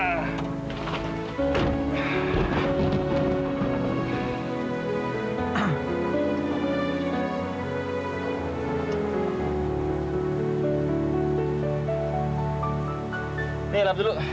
nih tenang dulu